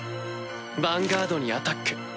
ヴァンガードにアタック！